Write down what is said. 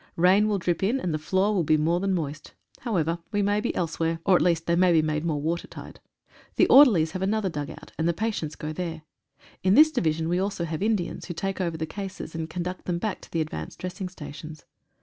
Rain will drip in, and the floor will be more than moist. However, we may be elsewhere, or at least they may be made more watertight. The orderlies have another dugout, and patients go there. In this Division we also have Indians, who take over the cases, and conduct them back to the advanced dressing stations.